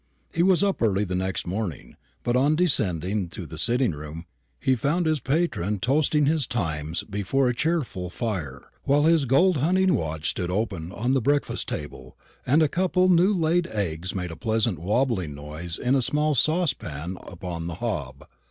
He was up early the next morning; but, on descending to the sitting room, he found his patron toasting his Times before a cheerful fire; while his gold hunting watch stood open on the breakfast table, and a couple of new laid eggs made a pleasant wabbling noise in a small saucepan upon the hob.